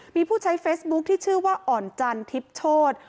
มีผู้ใช้เฟซบุ๊คที่ชื่อว่าอ่อนจันทิพย์โชธ